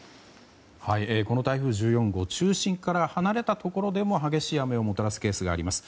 この台風１４号中心から離れたところでも激しい雨をもたらすケースがあります。